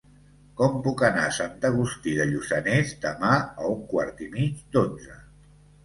Com puc anar a Sant Agustí de Lluçanès demà a un quart i mig d'onze?